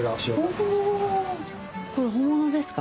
これ本物ですか？